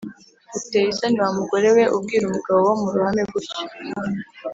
Uteye isoni wa mugore we ubwira umugabo mu ruhame gutyo!